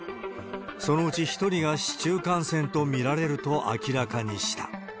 そのうち１人が市中感染と見られると明らかにした。